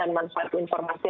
dan manfaat informasi